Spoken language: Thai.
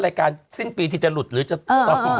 รายการจะหลุดหรือจะตอบ